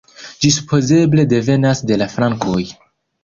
Ĝi supozeble devenas de la frankoj.